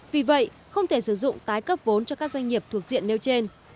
vì vậy không thể sử dụng tái cấp vốn cho các doanh nghiệp thuộc diện nêu trên